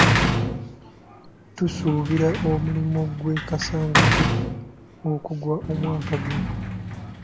Tusuubira omulimu gw'e Kasangati okuggwa omwaka guno.